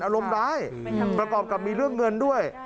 อารมณ์ร้ายประกอบกับมีเรื่องเงินด้วย